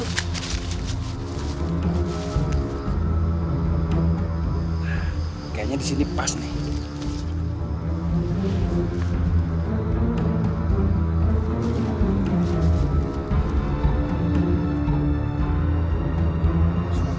kayaknya di sini pas nih